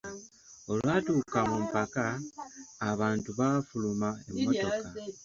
Olwatuuka mu ppaaka, abantu baafuluma emmotoka.